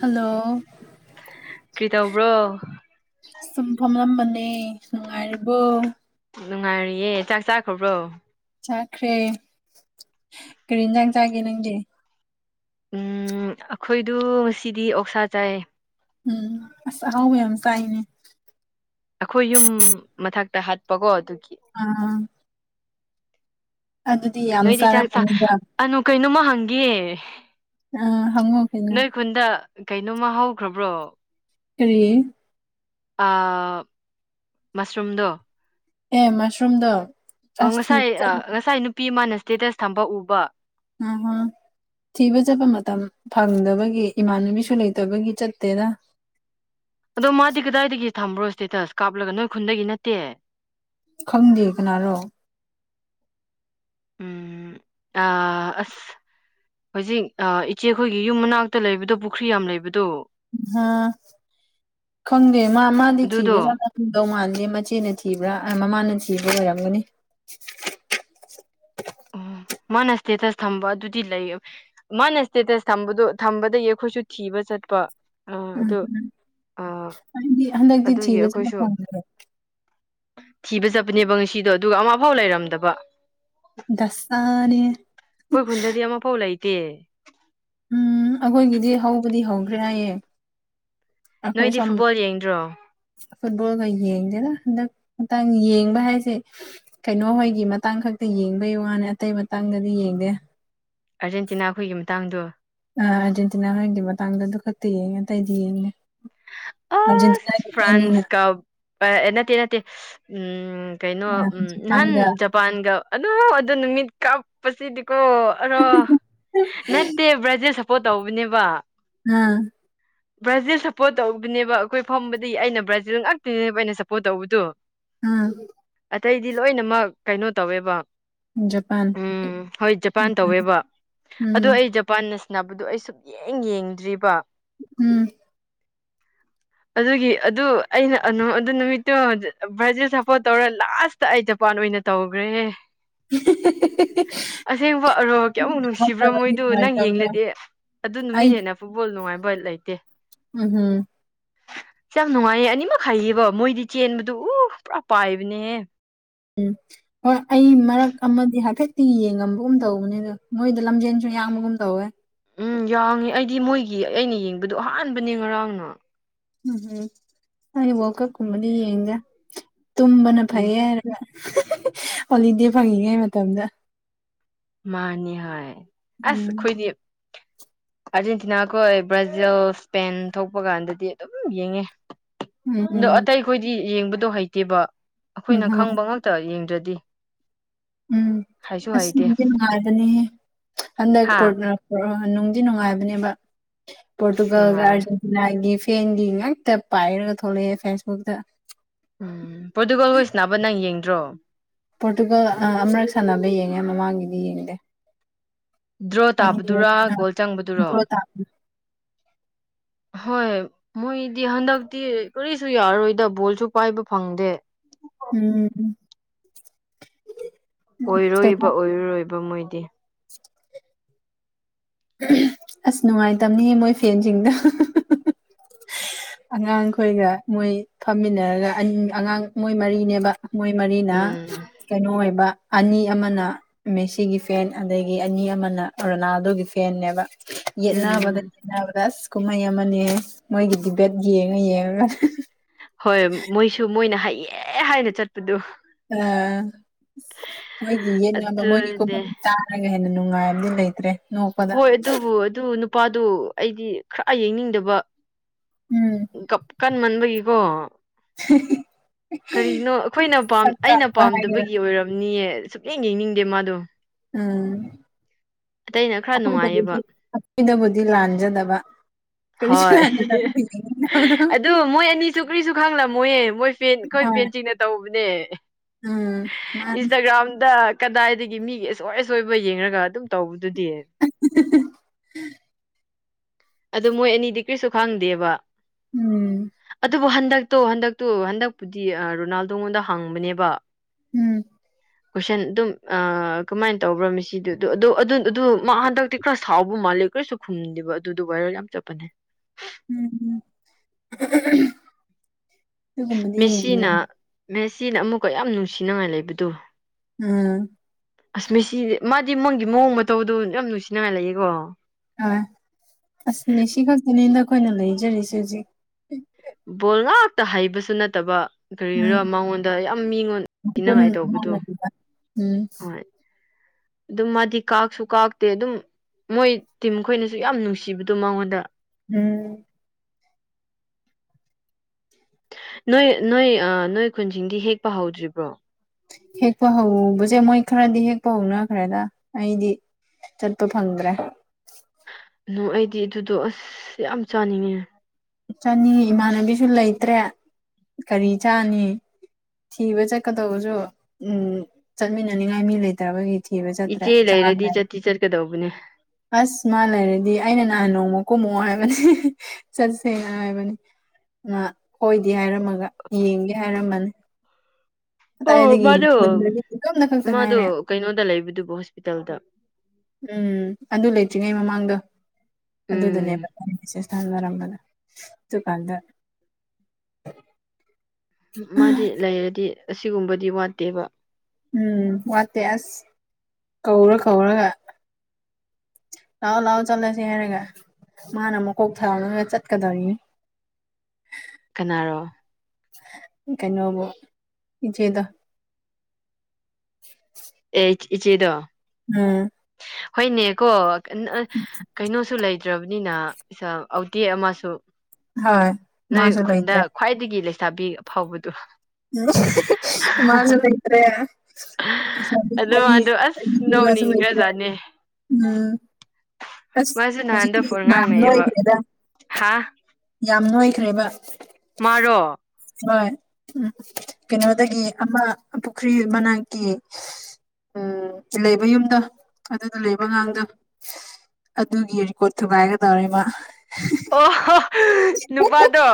hello ꯀ꯭ꯔꯤ ꯇꯧꯕ꯭ꯔꯣ ꯁꯨꯝ ꯐꯝꯂꯝꯕꯅꯦ ꯅꯨꯡꯉꯥꯏꯔꯤꯕꯣ ꯅꯨꯡꯉꯥꯏꯔꯤꯌꯦ ꯆꯥꯛ ꯆꯥꯈ꯭ꯔꯕ꯭ꯔꯣ ꯆꯥꯈ꯭ꯔꯦ ꯀꯔꯤ ꯏꯟꯖꯥꯡ ꯆꯥꯒꯦ ꯅꯪꯗꯤ ꯎꯝ ꯑꯈꯣꯏꯗꯨ ꯉꯁꯤꯗꯤ ꯑꯣꯛꯁꯥ ꯆꯥꯏꯌꯦ ꯎꯝ ꯑꯁ ꯑꯍꯥꯎꯕ ꯌꯥꯝ ꯆꯥꯏꯅꯦ ꯑꯩꯈꯣꯏ ꯌꯨꯝ ꯃꯊꯛꯇ ꯍꯠꯄꯀꯣ ꯑꯗꯨꯒꯤ ꯑꯥ ꯑꯗꯨꯗꯤ ꯌꯥꯝ ꯅꯣꯏꯗꯤ ꯆꯥꯛ ꯆꯥ ꯆꯥꯔꯝꯃꯅꯤꯗ ꯑꯅꯨ ꯀꯩꯅꯣꯝꯃ ꯍꯪꯒꯦ ꯑ ꯍꯪꯉꯣ ꯀꯩꯅꯣ ꯅꯣꯏ ꯈꯨꯟꯗ ꯀꯩꯅꯣꯝꯃ ꯍꯧꯈ꯭ꯔꯕ꯭ꯔꯣ ꯀꯔꯤ ꯑꯥ ꯃꯁꯔꯨꯝꯗꯣ ꯑꯦ ꯃꯁꯔꯨꯝꯗꯣ ꯑ ꯑꯁ ꯉꯁꯥꯏ ꯊꯤꯕ ꯑ ꯆꯠ ꯉꯁꯥꯏ ꯅꯨꯄꯤ ꯑꯃꯥꯅ ꯏꯁꯇꯦꯇꯁ ꯊꯝꯕ ꯎꯕ ꯎ ꯍꯝ ꯊꯤꯕ ꯆꯠꯄ ꯃꯇꯝ ꯐꯪꯗꯕꯒꯤ ꯏꯃꯥꯟꯅꯕꯤꯁꯨ ꯂꯩꯇꯕꯒꯤ ꯆꯠꯇꯦꯗ ꯑꯗꯣ ꯃꯥꯗꯤ ꯀꯗꯥꯏꯗꯒꯤ ꯊꯝꯕ꯭ꯔꯣ ꯁ꯭ꯇꯦꯇꯁ ꯀꯥꯞꯂꯒ ꯅꯣꯏ ꯈꯨꯟꯗꯒꯤ ꯅꯠꯇꯦ ꯈꯪꯗꯦ ꯀꯅꯥꯔꯣ ꯎꯝ ꯑꯥ ꯑꯁ ꯍꯧꯖꯤꯛ ꯑ ꯏꯆꯦꯈꯣꯏꯒꯤ ꯌꯨꯝ ꯃꯅꯥꯛꯇ ꯂꯩꯕꯗꯣ ꯄꯨꯈ꯭ꯔꯤ ꯌꯥꯝ ꯂꯩꯕꯗꯣ ꯍꯥ ꯈꯪꯗꯦ ꯃꯥ ꯃꯥꯗꯤ ꯊꯤꯕ ꯑꯗꯨꯗꯣ [unintelligible] ꯗꯧ ꯃꯥꯟꯗꯦ ꯃꯆꯦꯅ ꯊꯤꯕ꯭ꯔꯥ ꯑ ꯃꯃꯥꯅ ꯊꯤꯕ꯭ꯔ ꯑꯣꯏꯔꯝꯒꯅꯤ ꯑꯣ ꯃꯥꯅ ꯁ꯭ꯇꯦꯇꯁ ꯊꯝꯕ ꯑꯗꯨꯗꯤ ꯂꯩ ꯃꯥꯅ ꯏꯁꯇꯦꯇꯁ ꯊꯝꯕꯗꯣ ꯊꯝꯕꯗꯒꯤ ꯑꯩꯈꯣꯏꯁꯨ ꯊꯤꯕ ꯆꯠꯄ ꯑ ꯎꯝ ꯑꯗꯨ ꯑ ꯍꯥꯏꯗꯤ ꯍꯟꯗꯛꯇꯤ ꯑꯗꯨꯒꯤ ꯊꯤꯕ ꯆꯄ ꯑꯩꯈꯣꯏꯁꯨ ꯐꯪꯗ ꯊꯤꯕ ꯆꯠꯄꯅꯦꯕ ꯉꯁꯤꯗꯣ ꯑꯗꯨꯒ ꯑꯃ ꯐꯥꯎ ꯂꯩꯔꯝꯗꯕ ꯗꯁꯥꯅꯤꯍꯦ ꯃ ꯐꯧ ꯂꯩ ꯇꯦ ꯎꯝ ꯑꯩꯈꯣꯏꯒꯤꯗꯤ ꯍꯧꯕꯗꯤ ꯍꯧꯈ꯭ꯔꯦ ꯍꯥꯏꯌꯦ ꯑꯈꯣꯏ ꯅꯣꯏꯗꯤ ꯁꯣꯝ ꯐꯨꯠꯕꯣꯜ ꯌꯦꯡꯗ꯭ꯔꯣ ꯐꯨꯠꯕꯣꯜꯒ ꯌꯦꯡꯗꯦꯅ ꯍꯟꯗꯛ ꯃꯇꯥꯡ ꯌꯦꯡꯕ ꯍꯥꯏꯁꯦ ꯀꯩꯅꯣ ꯍꯣꯏꯒꯤ ꯃꯇꯥꯡ ꯈꯛꯇ ꯌꯦꯡꯕꯩ ꯋꯥꯅꯦ ꯑꯇꯩ ꯃꯇꯥꯡꯗꯗꯤ ꯌꯦꯡꯗꯦ ꯑꯥꯔꯖꯦꯟꯇꯤꯅꯥ ꯑꯩꯈꯣꯏꯒꯤ ꯃꯇꯥꯡꯗꯣ ꯑ ꯑꯥꯔꯖꯦꯟꯇꯤꯅꯥ ꯍꯣꯏꯒꯤ ꯃꯇꯥꯡꯗꯣ ꯑꯗꯨ ꯈꯛꯇ ꯌꯦꯡꯉꯦ ꯑꯇꯩꯗꯤ ꯌꯦꯡꯗꯦ ꯑꯁ ꯑꯥꯔꯖꯦꯟꯇꯤꯅꯥꯒꯤ ꯐꯦꯟꯅꯤꯅ ꯐ꯭ꯔꯥꯟꯁꯀ ꯅꯠꯇꯦ ꯅꯠꯇꯦ ꯎꯝ ꯀꯩꯅꯣ ꯑꯥ ꯎꯝ ꯅꯍꯥꯟ ꯖꯄꯥꯟꯒ ꯖꯞ ꯄꯥꯟꯒ ꯑꯗꯣ ꯑꯗꯨ ꯅꯨꯃꯤꯠ ꯀꯞꯄꯁꯤꯗꯤꯀꯣ ꯑꯔꯣ ꯅꯠꯇꯦ ꯕ꯭ꯔꯥꯖꯤꯜ ꯁꯞꯄꯣꯔꯠ ꯇꯧꯕꯅꯦꯕ ꯎꯝ ꯕ꯭ꯔꯥꯖꯤꯜ ꯁꯞꯄꯣꯔꯠ ꯇꯧꯕꯅꯦꯕ ꯑꯩꯈꯣꯏ ꯐꯝꯕꯗꯤ ꯑꯩꯅ ꯕ꯭ꯔꯥꯖꯤꯜ ꯉꯥꯛꯇꯅꯦꯕ ꯑꯩꯅ ꯁꯞꯄꯣꯔꯠ ꯇꯧꯕꯗꯣ ꯎꯝ ꯑꯇꯩꯗꯤ ꯂꯣꯏꯅꯃꯛ ꯀꯩꯅꯣ ꯇꯧꯋꯦꯕ ꯖꯄꯥꯟ ꯎꯝ ꯍꯣꯏ ꯖꯄꯥꯟ ꯇꯧꯋꯦꯕ ꯑꯗꯣ ꯎꯝ ꯑꯩ ꯖꯞ ꯄꯥꯟꯅ ꯁꯥꯅꯕꯗꯣ ꯑꯩ ꯁꯨꯡ ꯌꯦꯡ ꯌꯦꯡꯗ꯭ꯔꯤꯕ ꯎꯝ ꯑꯗꯨꯒꯤ ꯑꯗꯨ ꯑꯩꯅ ꯑꯗꯨ ꯅꯨꯃꯤꯠꯇꯨ ꯕ꯭ꯔꯥꯖꯤꯜ ꯁꯞꯄꯣꯔꯠ ꯇꯧꯔ ꯂꯥꯁ ꯇ ꯑꯩ ꯖꯄꯥꯟ ꯑꯣꯏꯅ ꯇꯧꯒ꯭ꯔꯦꯍꯦ [unintelligible] ꯑꯁꯦꯡꯕ ꯑꯔꯣ ꯀꯌꯥꯃꯨꯛ ꯅꯨꯡꯁꯤꯕ꯭ꯔꯣ ꯉꯝꯗꯕꯒꯤ ꯃꯣꯏꯗꯨ ꯅꯪ ꯅꯨꯡꯉꯥꯏꯇꯕꯗꯣ ꯌꯦꯡꯂꯗꯤ ꯑꯗꯨ ꯑꯩ ꯅꯨꯃꯤꯠ ꯍꯦꯟꯅ ꯐꯨꯠꯕꯣꯜ ꯅꯨꯡꯉꯥꯏꯕ ꯂꯩꯇꯦ ꯎꯝ ꯍꯨꯝ ꯀꯤꯌꯥꯝ ꯅꯨꯡꯉꯥꯏꯌꯦ ꯑꯅꯤꯃꯛ ꯍꯩꯌꯦꯕ ꯃꯣꯏꯗꯤ ꯆꯦꯟꯕꯗꯨ ꯎ ꯄꯨꯔꯥ ꯄꯥꯏꯕꯅꯤꯍꯦ ꯎꯝ ꯍꯣꯏ ꯑꯩ ꯃꯔꯛ ꯑꯃꯗꯤ ꯍꯥꯏꯐꯦꯠꯇꯤ ꯌꯦꯡꯉꯝꯕꯒꯨꯝ ꯇꯧꯕꯅꯦꯗꯨ ꯃꯣꯏꯗꯣ ꯂꯝꯖꯦꯟꯁꯨ ꯌꯥꯡꯕꯒꯨꯝ ꯇꯧꯋꯦ ꯎꯝ ꯌꯥꯡꯉꯦ ꯑꯩꯗꯤ ꯃꯣꯏꯒꯤ ꯑꯩꯅ ꯌꯦꯡꯕꯗꯨ ꯑꯍꯥꯟꯕꯅꯦ ꯉꯔꯥꯡꯅ ꯎꯝꯍꯝ ꯑꯩ ꯋꯥꯜꯀꯞꯀꯨꯝꯕꯗꯤ ꯌꯦꯡꯗꯦ ꯇꯨꯝꯕꯅ ꯎꯝ ꯐꯩꯌꯦ ꯍꯥꯏꯔ ꯍꯣꯂꯤꯗꯦ ꯐꯪꯉꯤꯉꯩ ꯃꯇꯝꯗ ꯃꯥꯅꯤꯍꯥꯏ ꯑꯁ ꯎꯝ ꯑꯩꯈꯣꯏꯗꯤ [inaudible] ꯑꯥꯔꯖꯦꯟꯇꯤꯅꯥ ꯈꯣꯏ ꯕ꯭ꯔꯥꯖꯤꯜ ꯏꯁꯄꯦꯟ ꯊꯣꯛꯄ ꯀꯥꯟꯗꯗꯤ ꯑꯗꯨꯝ ꯌꯦꯡꯉꯦ ꯎꯝ ꯗꯣ ꯎꯝ ꯑꯇꯩ ꯈꯣꯏꯗꯤ ꯌꯦꯡꯕꯗꯣ ꯍꯩꯇꯦꯕ ꯑꯈꯣꯏꯅ ꯎꯝꯍꯝ ꯈꯪꯕ ꯉꯥꯛꯇ ꯌꯦꯡꯗ꯭ꯔꯗꯤ ꯎꯝ ꯍꯩꯁꯨ ꯑꯁ ꯍꯩꯇꯦ ꯅꯨꯡꯗꯤ ꯅꯨꯡꯉꯥꯏꯕꯅꯍꯦ ꯍꯟꯗꯛ ꯍꯥ ꯄꯣꯔꯅꯪ ꯑꯣꯔꯑ ꯅꯨꯡꯗꯤ ꯅꯨꯡꯉꯥꯏꯕꯅꯦꯕ ꯑꯁ ꯄꯣꯔꯇꯨꯒꯜꯒ ꯅꯨꯡꯉꯥꯏꯌꯦ ꯑꯥꯔꯖꯦꯟ ꯕ꯭ꯂꯥꯏꯟꯒꯤ ꯐꯦꯟꯒꯤ ꯉꯥꯛꯇ ꯄꯥꯏꯔꯒ ꯊꯣꯂꯛꯑꯦ ꯐꯦꯁꯕꯨꯛꯇ ꯎꯝ ꯄꯣꯔꯇꯨꯒꯜ ꯍꯣꯏ ꯁꯥꯟꯅꯕ ꯅꯪ ꯌꯦꯡꯗ꯭ꯔꯣ ꯄꯣꯔꯇꯨꯒꯜ ꯑ ꯑꯃꯔꯛ ꯁꯥꯟꯅꯕ ꯌꯦꯡꯉꯦ ꯃꯃꯥꯡꯒꯤꯗꯤ ꯌꯦꯡꯗꯦ ꯗ꯭ꯔꯣ ꯇꯥꯕꯗꯨꯔꯥ ꯑꯅꯤꯔꯛꯖꯦ ꯒꯣꯜ ꯆꯪꯕꯗꯨꯔꯣ ꯗ꯭ꯔꯣ ꯇꯥꯕꯅꯤ ꯍꯣꯏ ꯃꯣꯏꯗꯤ ꯍꯟꯗꯛꯇꯤ ꯀꯔꯤꯁꯨ ꯌꯥꯔꯣꯏꯗ ꯕꯣꯜꯁꯨ ꯄꯥꯏꯕ ꯐꯪꯗꯦ ꯎꯝ ꯎꯝ ꯀꯩꯅꯣ ꯑꯣꯏꯔꯣꯏꯕ ꯑꯣꯏꯔꯣꯏꯕ ꯃꯣꯏꯗꯤ ꯑꯁ ꯅꯨꯡꯉꯥꯏꯇꯕꯅꯤꯍꯦ ꯃꯣꯏ ꯐꯦꯟꯁꯤꯡꯗꯣ ꯑꯉꯥꯡꯈꯣꯏꯒ ꯃꯣꯏ ꯐꯝꯃꯤꯟꯅꯔꯒ ꯑꯟ ꯑꯉꯥꯡ ꯃꯣꯏ ꯃꯔꯤꯅꯦꯕ ꯃꯣꯏ ꯃꯔꯤꯅ ꯎꯝ ꯀꯩꯅꯣ ꯑꯣꯏꯕ ꯑꯅꯤ ꯑꯃꯅ ꯃꯦꯁꯤꯒꯤ ꯐꯦꯟ ꯑꯗꯒꯤ ꯑꯅꯤ ꯑꯃꯅ ꯔꯣꯅꯥꯜꯗꯣꯒꯤ ꯐꯦꯟꯅꯦꯕ ꯌꯦꯠꯅꯕꯗ ꯎꯝ ꯈꯦꯅꯕꯗ ꯑꯁ ꯀꯨꯝꯍꯩ ꯑꯃꯅꯤꯍꯦ ꯃꯣꯏꯒꯤꯗꯤ ꯕꯦꯠ ꯌꯦꯡꯉ ꯌꯦꯡꯉꯔꯒ ꯍꯣꯏ ꯃꯣꯏꯁꯨ ꯃꯣꯏꯅ ꯍꯩꯌꯦ ꯍꯥꯏꯅ ꯆꯠꯄꯗꯨ ꯑ ꯃꯣꯏꯒꯤ ꯌꯦꯠꯅꯕ ꯃꯣꯏꯒꯤ ꯀꯨꯝꯍꯩ ꯑꯗꯨꯅꯦ ꯇꯥ ꯔꯒ ꯍꯦꯟꯅ ꯅꯨꯡꯉꯥꯏꯕꯗꯤ ꯂꯩꯇ꯭ꯔꯦ ꯅꯣꯛꯄꯗ ꯍꯣꯏ ꯑꯗꯨꯕꯨ ꯑꯗꯨ ꯅꯨꯄꯥꯗꯨ ꯑꯩꯗꯤ ꯈꯔ ꯌꯦꯡꯅꯤꯡꯗꯕ ꯎꯝ ꯒꯞ ꯀꯟꯃꯟꯕꯒꯤꯀꯣ [unintelligible] ꯀꯔꯤꯅꯣ ꯑꯈꯣꯏꯅ ꯄꯥꯝ ꯁꯛ ꯑꯩꯅ ꯀꯥꯛꯄ ꯍꯥꯏꯒꯦꯔꯥ ꯄꯥꯝꯗꯕꯒꯤ ꯑꯣꯏꯔꯝꯅꯤꯌꯦ ꯁꯨꯛꯌꯦꯡ ꯌꯦꯡꯅꯤꯡꯗꯦ ꯃꯥꯗꯣ ꯎꯝ ꯑꯇꯩꯅ ꯈꯔ ꯅꯨꯡꯉꯥꯏꯌꯦꯕ ꯑꯈꯣꯏꯗꯕꯨꯗꯤ ꯑꯈꯣꯏ ꯗꯕꯨꯗꯤ ꯂꯥꯟꯖꯗꯕ ꯀꯔꯤꯁꯨ ꯂꯥꯟꯗꯗꯕꯒꯤ ꯌꯦꯡꯅꯤꯡꯗꯕꯗꯣ ꯇꯨ ꯃꯣꯏ ꯑꯅꯤꯁꯨ ꯀ꯭ꯔꯤꯁꯨ ꯈꯪꯂꯝꯃꯣꯏꯌꯦ ꯃꯣꯏ ꯐꯦꯟ ꯑꯩꯈꯣꯏ ꯍꯣꯏ ꯐꯦꯟ ꯁꯤꯡꯅ ꯇꯧꯕꯅꯦ ꯎꯝ ꯃꯥ ꯏꯟꯁꯇꯥꯒ꯭ꯔꯥꯝꯗ ꯀꯗꯥꯏꯗꯒꯤ ꯃꯤꯒꯤ ꯑꯁꯣꯏ ꯑꯁꯣꯏꯕ ꯌꯦꯡꯉ꯭ꯔꯒ ꯑꯗꯨꯝ ꯇꯧꯕꯗꯨꯗꯤ ꯑꯗꯨ ꯃꯣꯏ ꯑꯅꯤꯗꯤ ꯀ꯭ꯔꯤꯁꯨ ꯈꯪꯗꯦꯕ ꯎꯝ ꯑꯗꯨꯕꯨ ꯍꯟꯗꯛ ꯇꯣ ꯍꯟꯗꯛꯇꯨ ꯍꯟꯗꯛꯄꯨꯗꯤ ꯑ ꯔꯣꯅꯥꯜꯗꯣꯉꯣꯟꯗ ꯍꯪꯕꯅꯦꯕ ꯎꯝ ꯀꯣꯏꯁꯟ ꯗꯨꯝ ꯑ ꯀꯃꯥꯏꯟ ꯇꯧꯕ꯭ꯔꯥ ꯃꯤꯁꯤꯗꯨ ꯗꯨ ꯑꯗꯨ ꯑꯗꯨꯟ ꯑꯗꯨ ꯃꯥ ꯍꯟꯗꯛꯇꯤ ꯈꯔ ꯁꯥꯎꯕ ꯃꯥꯜꯂꯦ ꯀ꯭ꯔꯤꯁꯨ ꯈꯨꯝꯗꯦꯕ ꯑꯗꯨꯗꯨ ꯚꯥꯏꯔꯦꯜ ꯌꯥꯝ ꯆꯠꯄꯅꯦ ꯎꯝꯝ [unintelligible] ꯃꯦꯁꯤꯅ ꯃꯦꯁꯤꯅ ꯑꯃꯨꯛꯀ ꯌꯥꯝ ꯅꯨꯡꯁꯤꯅꯉꯥꯏ ꯂꯩꯕꯗꯨ ꯎꯝ ꯑꯁ ꯃꯦꯁꯤꯗꯤ ꯃꯥꯗꯤ ꯃꯣꯏꯒꯤ ꯃꯑꯣꯡ ꯃꯇꯧꯗꯣ ꯌꯥꯝ ꯅꯨꯡꯁꯤꯅꯉꯥꯏ ꯂꯩꯌꯦꯀꯣ ꯑ ꯑꯁ ꯃꯦꯁꯤ ꯈꯛꯇꯅꯤ ꯅꯈꯣꯏꯅ ꯂꯩꯖꯔꯤꯁꯦ ꯖꯤꯛ ꯕꯣꯜ ꯉꯥꯛꯇ ꯍꯩꯕꯁꯨ ꯅꯠꯇꯕ ꯀꯔꯤꯔꯥ ꯎꯝ ꯃꯉꯣꯟꯗ ꯌꯥꯝ ꯃꯤꯉꯣꯟ ꯃꯒꯨꯟ ꯊꯤꯅꯉꯥꯏ ꯑꯃ ꯇꯧꯕꯗꯣ ꯂꯩꯕ ꯎꯝ ꯍꯣꯏ ꯗꯨꯝ ꯃꯥꯗꯤ ꯀꯥꯛꯁꯨ ꯀꯥꯛꯇꯦ ꯑꯗꯨꯝ ꯃꯣꯏ ꯇꯤꯝ ꯈꯣꯏꯅꯁꯨ ꯌꯥꯝ ꯅꯨꯡꯁꯤꯕꯗꯣ ꯃꯉꯣꯟꯗ ꯎꯝ ꯅꯣꯏ ꯅꯣꯏ ꯅꯣꯏ ꯈꯨꯟꯁꯤꯡꯗꯤ ꯍꯦꯛꯄ ꯍꯧꯗ꯭ꯔꯤꯕ꯭ꯔꯣ ꯍꯦꯛꯄ ꯍꯧꯕꯁꯦ ꯃꯣꯏ ꯈꯔꯗꯤ ꯍꯦꯛꯄ ꯍꯧꯅꯈ꯭ꯔꯦꯗ ꯑꯩꯗꯤ ꯆꯠꯄ ꯐꯪꯗ꯭ꯔꯦ ꯅꯣ ꯑꯩꯗꯤ ꯑꯗꯨꯗꯣ ꯑꯁ ꯌꯥꯝ ꯆꯥꯅꯤꯡꯉꯦ ꯆꯥꯅꯤ ꯏꯃꯥꯟꯅꯕꯤꯁꯨ ꯂꯩꯇ꯭ꯔꯦ ꯀꯔꯤ ꯆꯥꯅꯤ ꯊꯤꯕ ꯆꯠꯀꯗꯧꯕꯁꯨ ꯎꯝ ꯆꯠꯃꯤꯟꯅꯅꯤꯡꯉꯥꯏ ꯃꯤ ꯂꯩꯇꯕꯒꯤ ꯊꯤꯕ ꯆꯠꯇ꯭ꯔꯦ ꯏꯆꯦ ꯂꯩꯔꯗꯤ ꯆꯥꯗ꯭ꯔꯦ ꯆꯠꯇꯤ ꯆꯠꯀꯗꯧꯕꯅꯦ ꯑꯁ ꯃꯥ ꯂꯩꯔꯗꯤ ꯑꯩꯅ ꯅꯍꯥꯟ ꯅꯣꯡꯃ ꯀꯨꯝꯃꯑꯣ ꯍꯥꯏꯕꯅꯦ [unintelligible] ꯑꯩꯅ ꯍꯥꯏꯕꯅꯤ ꯃꯥ ꯍꯣꯏꯗꯤ ꯍꯥꯏꯔꯝꯃꯒ ꯌꯦꯡꯒꯦ ꯍꯥꯏꯔꯝꯕꯅꯦ ꯑꯣ ꯑꯥꯏꯗꯒꯤ ꯃꯥꯗꯣ ꯈꯨꯟꯗꯗꯤ ꯏꯇꯣꯝꯇ ꯈꯛꯇ ꯃꯥꯗꯣ ꯉꯥꯏꯔꯦ ꯀꯩꯅꯣꯗ ꯂꯩꯕꯗꯨꯕꯨ ꯍꯣꯁꯄꯤꯇꯥꯜꯗ ꯎꯝ ꯑꯗꯨ ꯂꯩꯇ꯭ꯔꯤꯉꯩ ꯃꯃꯥꯡꯗ ꯎꯝ ꯑꯗꯨꯗꯨꯅꯦꯕ ꯃꯦꯁꯦꯁ ꯊꯥꯅꯔꯝꯕꯅꯦ ꯑꯗꯨꯀꯥꯟꯗ [inaudible] ꯃꯥꯗꯤ ꯂꯩꯔꯗꯤ ꯑꯁꯤꯒꯨꯝꯕꯗꯤ ꯋꯥꯠꯇꯦꯕ ꯎꯝ ꯋꯥꯠꯇꯦ ꯑꯁ ꯀꯧꯔ ꯀꯧꯔꯒ ꯂꯥꯛꯑꯣ ꯂꯥꯛꯑꯣ ꯆꯠꯂꯁꯦ ꯍꯥꯏꯔꯒ ꯃꯥꯅ ꯃꯀꯣꯛ ꯊꯪꯂꯒ ꯆꯠꯀꯗꯕꯅꯤ ꯀꯅꯥꯔꯣ ꯀꯩꯅꯣꯕꯨ ꯏꯆꯦꯗꯣ ꯑꯦ ꯏꯆ ꯏꯆꯦꯗꯣ ꯎꯝ ꯍꯣꯏꯅꯦꯀꯣ [unintelligible] ꯀꯩꯅꯣꯁꯨ ꯂꯩꯇ꯭ꯔꯕꯅꯤꯅ [unintelligible] ꯑꯥꯎꯗꯦ ꯑꯃꯁꯨ ꯍꯣꯏ ꯅꯣꯏ ꯃꯥꯁꯨ ꯈꯨꯟꯗ ꯂꯩꯇ꯭ꯔꯦ ꯈ꯭ꯋꯥꯏꯗꯒꯤ ꯂꯩꯁꯥꯕꯤ ꯑꯐꯥꯎꯕꯗꯨ [unintelligible] ꯃꯥꯁꯨ ꯂꯩꯇ꯭ꯔꯦ [unintelligible] ꯓꯥꯠꯓꯥꯠꯅꯦ [unintelligible] ꯎꯝ ꯑꯁ ꯍꯧꯖꯤꯇꯤꯪ ꯃꯌꯥꯝ ꯉꯥꯡꯅꯩꯑꯕ ꯅꯣꯏꯈ꯭ꯔꯦꯗ ꯍꯥ ꯌꯥꯝ ꯅꯣꯏꯈ꯭ꯔꯦꯕ ꯃꯥꯔ‌ꯣ ꯍꯣꯏ ꯎꯝ ꯀꯩꯅꯣꯗꯒꯤ ꯑꯃ ꯄꯨꯈ꯭ꯔꯤ ꯃꯅꯥꯛꯀꯤ ꯎꯝ ꯂꯩꯕ ꯌꯨꯝꯗ‌ꯣ ꯑꯗꯨꯗ ꯂꯩꯕ ꯑꯉꯥꯡꯗ‌ꯣ ꯑꯗꯨꯒꯤ ꯔꯤꯀꯣꯔꯠ ꯊꯨꯒꯥꯏꯒꯗꯧꯔ‌ꯦ ꯃꯥ ꯑꯣꯍ‌ꯣ ꯅꯨꯄꯥꯗꯣ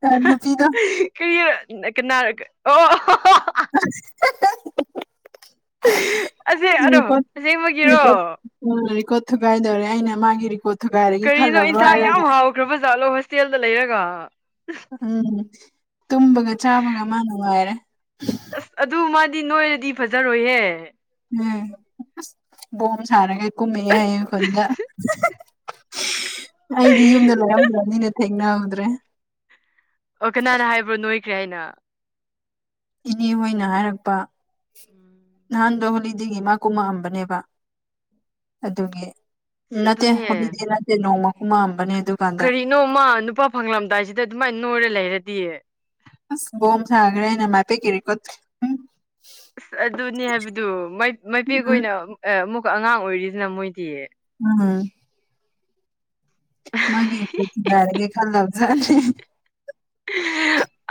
ꯇ ꯅꯨꯄꯤꯗ‌ꯣ ꯀꯔꯤꯔꯛ ꯀꯅꯥꯔꯛ ꯑꯣ [unintelligible] [unintelligible] ꯑꯁꯤ ꯑꯗꯨꯝ ꯑꯁꯦꯡꯕꯒꯤꯔꯣ ꯑ‌ ꯔꯤꯀꯣꯔꯠ ꯊꯨꯒꯥꯏꯗꯧꯔꯦ ꯑꯩꯅ ꯃꯥꯒꯤ ꯔꯤꯀꯣꯔꯠ ꯊꯨꯒꯥꯏꯔꯒꯦ ꯈꯜꯂꯕ꯭ꯔꯣ ꯍꯥꯏꯔꯒ ꯒ꯭ꯔꯕꯖꯥꯠꯂꯣ ꯍꯣꯁꯇꯦꯜꯗ ꯂꯩꯔꯒ ꯎꯝ ꯇꯨꯝꯕꯒ ꯆꯥꯕꯒ ꯃꯥ ꯅꯨꯡꯉꯥꯏꯔꯦ ꯑꯁ ꯑꯗꯨ ꯃꯥꯗꯤ ꯅꯣꯏꯔꯗꯤ ꯐꯖꯔꯣꯏꯍꯦ ꯎꯝ ꯑ ꯁꯕꯣꯝ ꯁꯥꯔꯒ ꯀꯨꯝꯃꯛꯑꯦ ꯍꯌꯦꯡ ꯈꯨꯟꯗ ꯑꯩꯗꯤ ꯌꯨꯝꯗ ꯂꯩꯔꯝꯗ꯭ꯔꯕꯅꯤꯅ ꯊꯦꯡꯅꯍꯧꯗ꯭ꯔꯦ ꯑꯣ ꯀꯅꯥꯅ ꯍꯥꯏꯕ꯭ꯔꯣ ꯅꯣꯏꯈ꯭ꯔꯦ ꯍꯥꯏꯅ ꯏꯅꯦ ꯍꯣꯏꯅ ꯍꯥꯏꯔꯛꯄ ꯅꯍꯥꯟꯗꯣ ꯍꯣꯂꯤꯗꯦꯒꯤ ꯃꯥ ꯀꯨꯝꯃꯛꯑꯝꯕꯅꯦꯕ ꯑꯗꯨꯒꯤ ꯑꯁ ꯅꯠꯇꯦ ꯑꯗꯨꯅꯦ ꯍꯣꯂꯤꯗ‌ꯦ ꯅꯠꯇꯦ ꯅꯣꯡꯃ ꯀꯨꯝꯃꯛꯑꯝꯕꯅꯦ ꯑꯗꯨ ꯀꯔꯤꯅꯣ ꯃꯥ ꯅꯨꯄꯥ ꯐꯪꯂꯝꯗꯥꯏꯁꯤꯗ ꯑꯗꯨꯃꯥꯏ ꯅꯣꯏꯔ ꯂꯩꯔꯗꯤ ꯑꯁ ꯕꯣꯝ ꯁꯥꯒ꯭ꯔꯦꯅ ꯃꯥꯜꯄꯤꯛꯀꯤ ꯔꯤꯀꯣꯔꯠ ꯍꯨꯝ ꯑꯗꯨꯅꯦ ꯍꯥꯏꯕꯗꯨ ꯃꯥꯏ ꯃꯥꯏꯄꯦꯛ ꯎꯝ ꯑꯣꯏꯅ ꯑꯦ ꯑꯃꯨꯛꯀ ꯑꯉꯥꯡ ꯑꯣꯏꯔꯤꯗꯅ ꯃꯣꯏꯗꯤ ꯎꯝ ꯃꯥꯒꯤ ꯔꯤꯀ‌ꯣꯔꯠ ꯊꯨꯒꯥꯏꯔꯒꯦ ꯈꯜꯂꯕꯖꯥꯠꯅꯤ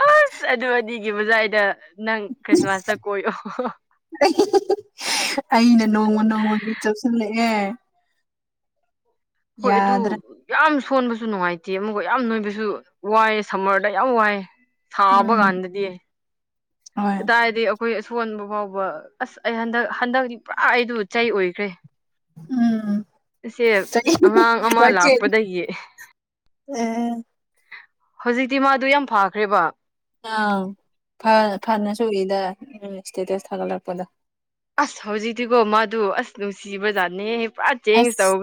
ꯑꯁ ꯑꯗꯨ ꯑꯅꯤꯒꯤ ꯕꯨꯖꯥꯏꯗ ꯅꯪ ꯈ꯭ꯔꯤꯁꯃꯥꯁꯇ ꯀꯣꯏꯌ‌ꯣ ꯑꯩꯅ ꯅꯣꯡꯃ ꯅꯣꯡꯃꯒꯤ ꯆꯞꯁꯜꯂꯛꯑꯦ ꯍꯣꯏ ꯑꯗꯨ ꯌꯥꯗ꯭ꯔꯦ ꯌꯥꯝ ꯁꯣꯟꯕꯁꯨ ꯅꯨꯡꯉꯥꯏꯇꯦ ꯑꯃꯨꯛꯀ ꯌꯥꯝ ꯅꯣꯏꯕꯁꯨ ꯋꯥꯏꯌꯦ ꯁꯝꯃ꯭ꯔꯗ ꯌꯥꯝ ꯋꯥꯏꯌꯦ ꯎꯝ ꯁꯥꯥꯕꯒꯥꯟꯗꯗꯤ ꯍꯣꯏ ꯀꯗꯥꯏꯗꯩ ꯑꯩꯈꯣꯏ ꯑꯁꯣꯟꯕ ꯐꯥꯎꯕ ꯑꯁ ꯑꯩ ꯍꯟꯗꯛ ꯍꯟꯗꯛꯇꯤ ꯄꯨꯔꯥ ꯑꯩꯗꯨ ꯆꯩ ꯑꯣꯏꯈ꯭ꯔꯦ ꯎꯝ ꯑꯁꯦꯞ ꯆꯍꯤ ꯑꯉꯥꯡ ꯑꯃ ꯋꯥꯆꯦ ꯂꯥꯛꯄꯗꯒꯤ ꯑꯥ ꯍꯧꯖꯤꯛꯇꯤ ꯃꯥꯗꯨ ꯌꯥꯝ ꯐꯈ꯭ꯔꯦꯕ ꯑꯪ ꯐꯅ ꯐꯅꯁꯨꯨꯒꯤꯗ ꯏꯁꯇꯦꯇꯁ ꯊꯥꯒꯠꯂꯛꯄꯗꯣ ꯑꯁ ꯍꯧꯖꯤꯛꯇꯤꯀꯣ ꯃꯥꯗꯨ ꯑꯁ ꯅꯨꯡꯁꯤꯕꯖꯥꯠꯅꯦꯍ‌ꯦ ꯄꯨꯔꯥꯠ ꯑꯁ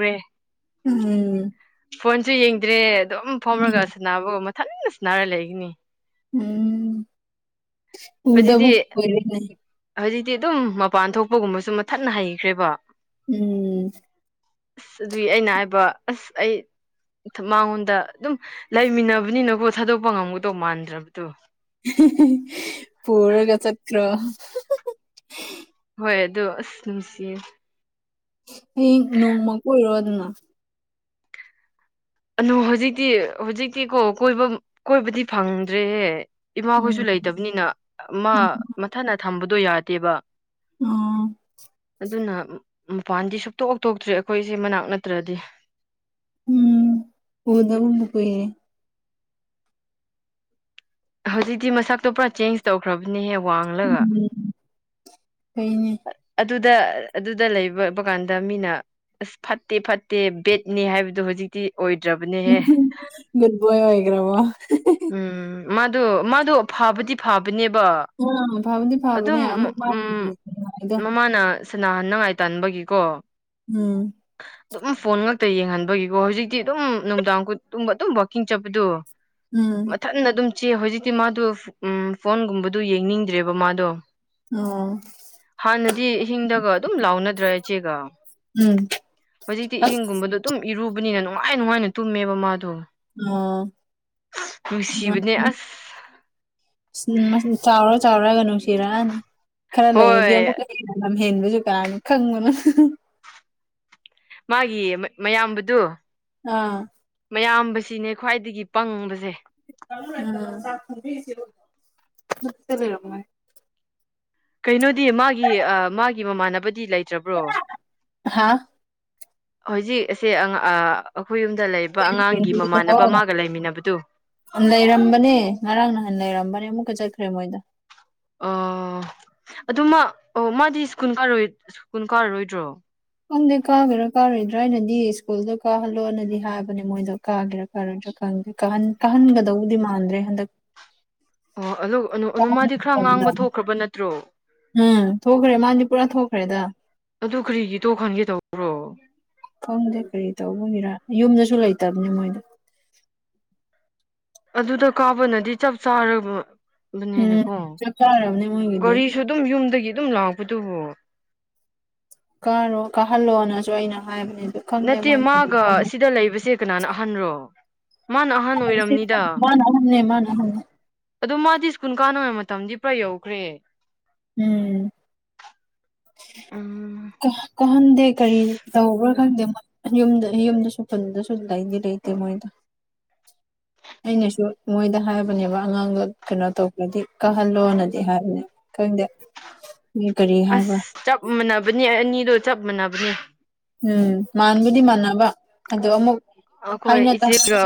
ꯎꯝ ꯐꯣꯟꯁꯨ ꯌꯦꯡꯗ꯭ꯔꯦ ꯑꯗꯨꯝ ꯐꯝꯔꯒ ꯁꯅꯕꯒꯨꯝ ꯃꯊꯟꯅ ꯁꯅꯥꯔ ꯂꯩꯒꯅꯤ ꯎꯝ ꯍꯧꯖꯤꯛꯇꯤ ꯎꯗꯕ ꯀꯨꯏꯔꯦꯅꯦ ꯍꯧꯖꯤꯛꯇꯤ ꯑꯗꯨꯝ ꯃꯄꯥꯟ ꯊꯣꯛꯄꯒꯨꯝꯕꯁꯨ ꯃꯊꯟꯅ ꯍꯩꯈ꯭ꯔꯦꯕ ꯎꯝ ꯑꯁ ꯑꯗꯨꯒꯤ ꯑꯩꯅ ꯍꯥꯏꯕ ꯑꯁ ꯑꯩ ꯊ‌ ꯃꯉꯣꯟꯗ ꯑꯗꯨꯝ ꯂꯩꯃꯤꯟꯅꯕꯅꯤꯅꯀꯣ ꯊꯥꯗꯣꯛꯄ ꯉꯝꯒꯗꯧ ꯃꯥꯟꯗ꯭ꯔꯕꯗꯣ ꯄꯨꯔꯒ ꯆꯠꯈ꯭ꯔ‌ꯣ ꯍꯣꯏ ꯑꯗꯣ ꯑꯁ ꯅꯨꯡꯁꯤꯌꯦ ꯍꯌꯦꯡ ꯅꯣꯡꯃ ꯀ‌ꯣꯏꯔꯣꯗꯅ ꯑꯅꯣ ꯍꯧꯖꯤꯛꯇꯤ ꯍꯧꯖꯤꯛꯇꯤ ꯀꯣ ꯀꯣꯏꯕ ꯀꯣꯏꯕꯗꯤ ꯐꯪꯗ꯭ꯔꯦꯍꯦ ꯏꯃꯥꯈꯣꯏꯁꯨ ꯎꯝ ꯂꯩꯇꯕꯅꯤꯅ ꯃꯥ ꯃꯊꯟꯅ ꯊꯝꯕꯗꯨ ꯌꯥꯗꯦꯕ ꯑꯣ ꯑꯗꯨꯅ ꯎꯝ ꯃꯄꯥꯟꯗꯤ ꯁꯨꯛꯊꯣꯛ ꯊꯣꯛꯇ꯭ꯔꯦ ꯑꯩꯈꯣꯏꯁꯤ ꯃꯅꯥꯛ ꯅꯠꯇ꯭ꯔꯗꯤ ꯎꯝ ꯎꯗꯕꯕꯨ ꯀꯨꯏꯔꯦ ꯍꯧꯖꯤꯛꯇꯤ ꯃꯁꯛꯇꯣ ꯄꯨꯔꯥ ꯆꯦꯟꯖ ꯇꯧꯈ꯭ꯔꯕꯅꯦꯍꯦ ꯋꯥꯡꯂꯒ ꯎꯝ ꯐꯩꯅꯦ ꯑꯗꯨꯗ ꯑꯗꯨꯗ ꯂꯩꯕ ꯀꯥꯟꯗ ꯃꯤꯅ ꯑꯁ ꯐꯠꯇꯦ ꯐꯠꯇꯦ ꯕꯦꯠꯅꯤ ꯍꯥꯏꯕꯗꯨ ꯍꯧꯖꯤꯛꯇꯤ ꯑꯣꯏꯗ꯭ꯔꯕꯅꯦꯍꯦ ꯒꯨꯠ ꯚꯣꯢ ꯑꯣꯢꯒ꯭ꯔꯕꯣ ꯍꯤ ꯍꯤ ꯎꯝ ꯃꯥꯗꯨ ꯃꯥꯗꯨ ꯐꯕꯗꯤ ꯐꯕꯅꯦꯕ ꯑ ꯐꯕꯗꯤ ꯑꯗꯨꯝ ꯐꯕꯅꯦ ꯑꯃꯨꯛ ꯎꯝ ꯋꯥꯗꯣ ꯃꯃꯥꯅ ꯁꯅꯥꯍꯟꯅꯉꯥꯏ ꯇꯟꯕꯒꯤꯀꯣ ꯎꯝ ꯑꯗꯨꯝ ꯐꯣꯟ ꯉꯥꯛꯇ ꯌꯦꯡꯍꯟꯕꯒꯤꯀꯣ ꯍꯧꯖꯤꯛꯇꯤ ꯑꯗꯨꯝ ꯅꯨꯡꯗꯥꯡ ꯈꯨꯠ ꯇꯨꯝꯕꯗꯨꯝ ꯑꯗꯨꯝ ꯋꯥꯛꯀꯤꯡ ꯆꯠꯄꯗꯨ ꯎꯝ ꯃꯊꯟꯗ ꯑꯗꯨꯝ ꯆꯦ ꯍꯧꯖꯤꯛꯇꯤ ꯃꯥꯗꯨ ꯎꯝ ꯐꯣꯟꯒꯨꯝꯕꯗꯨ ꯌꯦꯡꯅꯤꯡꯗ꯭ꯔꯦꯕ ꯃꯥꯗꯨ ꯑꯣ ꯍꯥꯟꯅꯗꯤ ꯏꯍꯤꯡꯗꯒ ꯑꯗꯨꯝ ꯂꯥꯎꯅꯗ꯭ꯔꯥ ꯏꯆꯦꯒ ꯎꯝ ꯍꯧꯖꯤꯛꯇꯤ ꯑꯁ ꯏꯍꯤꯡꯒꯨꯝꯕꯗꯣ ꯑꯗꯨꯝ ꯏꯔꯨꯕꯅꯤꯅ ꯅꯨꯡꯉꯥꯏ ꯅꯨꯡꯉꯥꯏꯅ ꯇꯨꯝꯃꯦꯕ ꯃꯥꯗꯨ ꯑꯣ [unintelligible] ꯅꯨꯡꯁꯤꯕꯅꯦ ꯑꯁ ꯎꯝ ꯃꯁꯤ ꯆꯥꯎꯔ ꯆꯥꯎꯔꯒ ꯅꯨꯡꯁꯤꯔꯛꯑꯅꯤ ꯈꯔ ꯂꯩꯔꯗꯤ ꯍꯣꯏ ꯑꯃꯨꯛꯀ ꯂꯝꯍꯦꯟꯕꯁꯨ ꯀꯅꯥꯥꯅ ꯈꯪꯕꯅꯣ ꯃꯥꯒꯤ ꯃꯌꯥꯝꯕꯗꯨ ꯑꯥ ꯃꯌꯥꯝꯕꯁꯤꯅꯦ ꯈ꯭ꯋꯥꯏꯗꯒꯤ ꯄꯪꯕꯁꯦ [unintelligible] ꯀꯩꯅꯣꯗꯤ ꯃꯥꯒꯤ ꯑꯥ ꯃꯥꯒꯤ ꯃꯃꯥꯟꯅꯕꯗꯤ ꯂꯩꯇ꯭ꯔꯕ꯭ꯔꯣ ꯍꯥ ꯍꯧꯖꯤꯛ ꯑꯁꯦ ꯑꯪ ꯑꯥ ꯑꯩꯈꯣꯏ ꯌꯨꯝꯗ ꯂꯩꯕ ꯑꯉꯥꯡꯒꯤ ꯃꯃꯥꯟꯅꯕ ꯃꯥꯒ ꯂꯩꯃꯤꯟꯅꯕꯗꯨ ꯂꯩꯔꯝꯕꯅꯦ ꯉꯔꯥꯡ ꯅꯍꯥꯟ ꯂꯩꯔꯝꯕꯅꯦ ꯑꯃꯨꯛꯀ ꯆꯠꯈ꯭ꯔꯦ ꯃꯣꯏꯗ ꯑꯣ ꯑꯗꯨ ꯃꯥ ꯑꯣ ꯃꯥꯗꯤ ꯁ꯭ꯀꯨꯜ ꯀꯥꯔꯣꯢ ꯁ꯭ꯀꯨꯜ ꯀꯥꯔꯣꯏꯗ꯭ꯔꯣ ꯈꯪꯗꯦ ꯀꯥꯒꯦꯔꯥ ꯀꯥꯔꯣꯏꯗ꯭ꯔꯥ ꯑꯩꯅꯗꯤ ꯁ꯭ꯀꯨꯜꯗꯣ ꯀꯥꯍꯜꯂꯣꯅꯗꯤ ꯍꯥꯏꯕꯅꯦ ꯃꯣꯏꯗꯣ ꯀꯥꯒꯦꯔ ꯀꯥꯔꯣꯢꯗ꯭ꯔꯥ ꯈꯪꯗꯦ ꯀꯍꯟ ꯀꯍꯟꯒꯗꯧꯕꯗꯤ ꯃꯥꯟꯗ꯭ꯔꯦ ꯍꯟꯗꯛ ꯑꯣ ꯑꯗꯣ ꯑꯅꯣ ꯑꯅꯣ ꯃꯥꯗꯤ ꯈꯔ ꯉꯥꯡꯕ ꯊꯣꯛꯈ꯭ꯔꯕ ꯅꯠꯇ꯭ꯔꯣ ꯎꯝ ꯊꯣꯛꯈ꯭ꯔꯦ ꯃꯥꯗꯤ ꯄꯨꯔꯥ ꯊꯣꯛꯈ꯭ꯔꯦꯗ ꯑꯗꯨ ꯀꯔꯤꯒꯤ ꯇꯣꯛꯍꯟꯒꯦ ꯇꯧꯕ꯭ꯔꯣ ꯈꯪꯗꯦ ꯀꯔꯤ ꯇꯧꯕꯒꯤꯔ ꯌꯨꯝꯗꯁꯨ ꯂꯩꯇꯕꯅꯤ ꯃꯣꯏꯗꯨ ꯑꯗꯨꯗ ꯀꯥꯕꯅꯗꯤ ꯆꯞ ꯎꯝ ꯆꯥꯔꯒꯕꯅꯦꯅꯀꯣ ꯆꯞ ꯆꯥꯔꯕꯅꯦ ꯃꯣꯏꯒꯤꯗꯤ ꯒꯥꯔꯤꯁꯨ ꯗꯨꯝ ꯌꯨꯝꯗꯒꯤ ꯑꯗꯨꯝ ꯂꯥꯛꯄꯗꯨꯕꯨ ꯀꯥꯔꯣ ꯀꯥꯍꯜꯂꯣꯅꯁꯨ ꯑꯩꯅ ꯍꯥꯏꯕꯅꯦ ꯑꯗꯣ ꯅꯠꯇꯦ ꯃꯥꯒ ꯑꯁꯤꯗ ꯂꯩꯕꯁꯦ ꯀꯅꯥꯅ ꯑꯍꯟꯔꯣ ꯃꯥꯅ ꯑꯍꯟ ꯑꯣꯏꯔꯝꯅꯤꯗ ꯃꯥꯅ ꯑꯍꯟꯅꯦ ꯃꯥꯅ ꯑꯍꯟꯅꯦ ꯑꯗꯣ ꯃꯥꯗꯤ ꯁ꯭ꯀꯨꯟ ꯀꯥꯅꯉꯩ ꯃꯇꯝꯗꯤ ꯄꯨꯔꯥ ꯌꯧꯈ꯭ꯔꯦ ꯎꯝ ꯎꯝ ꯀꯥꯍꯟꯗꯦ ꯀꯔꯤ ꯇꯧꯕ꯭ꯔꯥ ꯑꯗꯨ ꯈꯪꯗꯦ ꯃꯣꯏ ꯌꯨꯝꯗ ꯌꯨꯝꯗꯁꯨ ꯈꯨꯟꯕꯗꯁꯨ ꯂꯩꯗꯤ ꯂꯩꯇꯦ ꯃꯣꯏꯗꯣ ꯑꯩꯅꯁꯨ ꯃꯣꯏꯗ ꯍꯥꯏꯕꯅꯦꯕ ꯑꯉꯥꯡꯗꯣꯀꯩꯅꯣ ꯇꯧꯕ꯭ꯔꯗꯤ ꯀꯥꯍꯜꯂꯣꯅꯗꯤ ꯍꯥꯏꯕꯅꯦ ꯈꯪꯗꯦ ꯃꯤ ꯀꯔꯤ ꯑꯁ ꯍꯥꯏꯕ꯭ꯔꯥ ꯆꯞ ꯃꯥꯟꯅꯕꯅꯣ ꯑꯅꯤꯗꯣ ꯆꯞ ꯃꯥꯟꯅꯕꯅꯤ ꯎꯝ ꯃꯥꯟꯕꯨꯗꯤ ꯃꯥꯟꯅꯕ ꯑꯗꯣ ꯑꯃꯨꯛ ꯑꯈꯣꯏ ꯍꯥꯏꯅ ꯇꯥꯅꯕꯁꯨ ꯏꯆꯦꯒꯥ